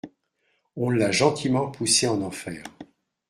on l’a gentiment poussé en enfer